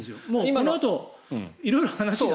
このあと色々、話がね。